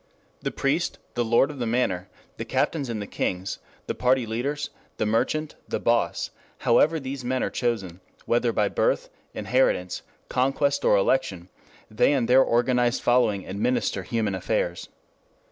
The priest, the lord of the manor, the captains and the kings, the party leaders, the merchant, the boss, however these men are chosen, whether by birth, inheritance, conquest or election, they and their organized following administer human affairs.